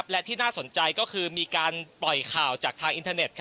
และที่น่าสนใจก็คือมีการปล่อยข่าวจากทางอินเทอร์เน็ต